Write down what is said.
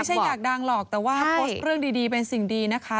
ไม่ใช่อยากดังหรอกแต่ว่าโพสต์เรื่องดีเป็นสิ่งดีนะคะ